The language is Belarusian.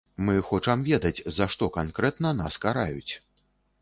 Мы хочам ведаць, за што канкрэтна нас караюць.